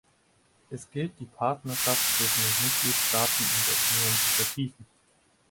Es gilt, die Partnerschaft zwischen den Mitgliedstaaten und der Union zu vertiefen.